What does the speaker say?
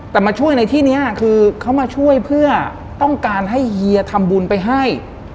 แต่มาช่วยในที่นี้คือเขามาช่วยเพื่อต้องการให้เฮียทำบุญไปให้